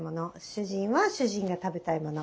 主人は主人が食べたいもの。